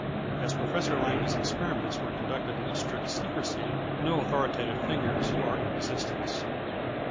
As Professor Langley's experiments were conducted in strict secrecy, no authoritative figures are in existence.